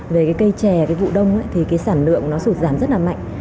về cái cây chè cái vụ đông thì cái sản lượng nó sụt giảm rất là mạnh